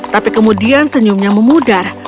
tapi kemudian senyumnya memudar